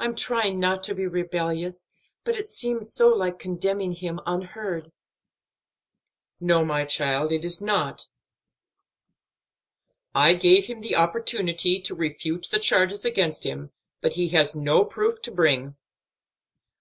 "I'm trying not to be rebellious, but it seems so like condemning him unheard." "No, my child, it is not. I gave him the opportunity to refute the charges against him, but he has no proof to bring."